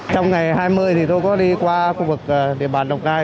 trong ngày hai mươi thì tôi có đi qua khu vực địa bàn đồng nai